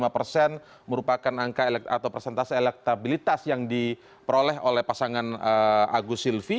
tiga puluh dua puluh lima persen merupakan persentase elektabilitas yang diperoleh oleh pasangan agus silvi